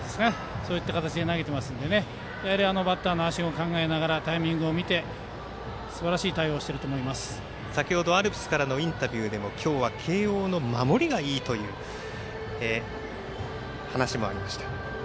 そういった形で投げてますのでバッターの足を考えながらタイミングを見てすばらしい対応をしていると先ほどアルプスからのインタビューでも今日は慶応の守りがいいという話もありました。